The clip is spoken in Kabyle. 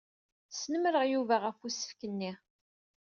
Snemmrent Yuba ɣef usefk-nni.